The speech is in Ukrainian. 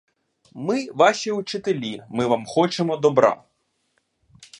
Ми ваші учителі, ми вам хочемо добра!